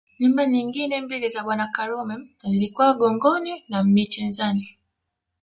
Nyumba nyingine mbili za Bwana Karume zilikuwa Gongoni na Michenzani